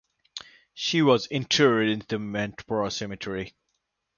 She was interred in the Montparnasse Cemetery.